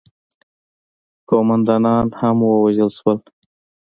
قوماندانان هم ووژل شول.